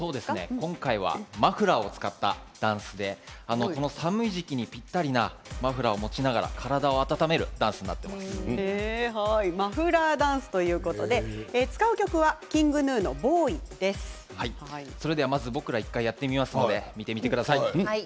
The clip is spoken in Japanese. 今回はマフラーを使ったダンスでこの寒い時期にぴったりなマフラーを持ちながら体を温めるマフラーダンスということで使う曲はＫｉｎｇＧｎｕ僕らが１回やってみますので見てみてください。